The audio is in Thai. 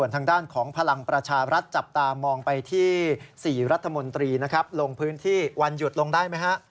ทางด้านของพลังพลัชกรรมมองไปที่สี่รัฐมนตรีหลงพืนที่วันหยุดลงได้ไหมฮะ